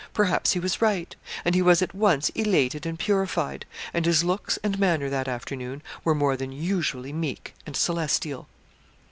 Perhaps he was right, and he was at once elated and purified, and his looks and manner that afternoon were more than usually meek and celestial.